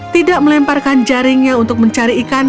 tidak melemparkan jaringnya untuk mencari ikan